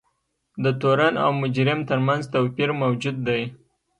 د تورن او مجرم ترمنځ توپیر موجود دی.